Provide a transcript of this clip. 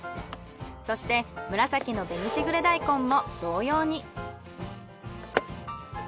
そして紫の紅しぐれ大根も同様に。